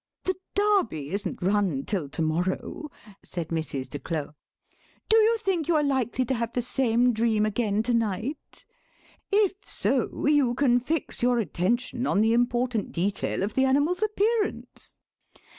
"The Derby isn't run till to morrow," said Mrs. de Claux; "do you think you are likely to have the same dream again to night? If so; you can fix your attention on the important detail of the animal's appearance."